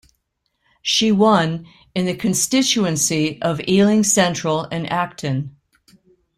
She won in the constituency of Ealing Central and Acton.